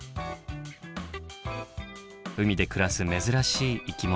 海で暮らす珍しい生き物。